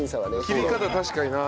切り方確かにな。